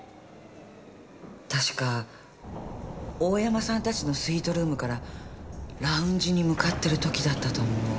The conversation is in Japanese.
確か大山さんたちのスイートルームからラウンジに向かってる時だったと思う。